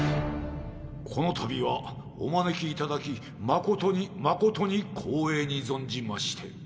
この度はお招きいただき誠に誠に光栄に存じまして。